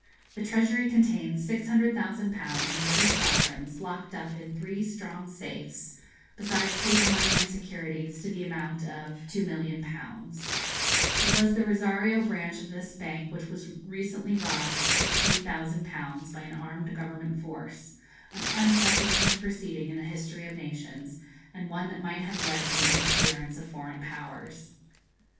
The treasury contains 600,000_l_. in British sovereigns, locked up in three strong safes, besides paper money and securities to the amount of 2,000,000_l_. It was the Rosario branch of this bank which was recently robbed of 15,000_l_. by an armed government force; an unprecedented proceeding in the history of nations, and one that might have led to the interference of foreign powers.